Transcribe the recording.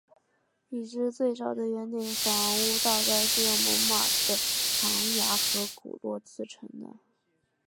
已知最早的圆顶房屋大概是用猛犸的长牙和骨骼制成的。